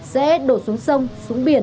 sẽ đổ xuống sông xuống biển